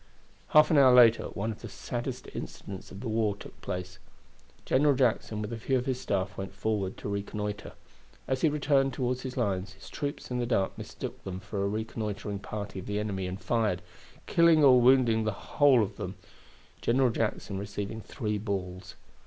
Half an hour later one of the saddest incidents of the war took place. General Jackson with a few of his staff went forward to reconnoiter. As he returned toward his lines, his troops in the dark mistook them for a reconnoitering party of the enemy and fired, killing or wounding the whole of them, General Jackson receiving three balls.